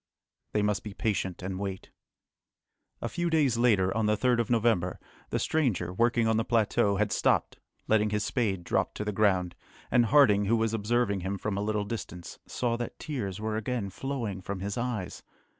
They must be patient and wait. [Illustration: "WHO ARE YOU?" HE ASKED IN A HOLLOW VOICE] A few days later, on the 3rd of November, the stranger, working on the plateau, had stopped, letting his spade drop to the ground, and Harding who was observing him from a little distance, saw that tears were again flowing from his eyes.